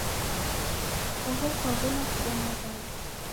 Oho kwaw'ona kubonye w'ada?